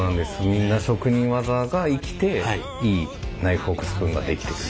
みんな職人技が生きていいナイフフォークスプーンが出来てく。